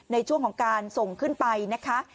ในช่วงของการส่งขึ้นไปนะคะ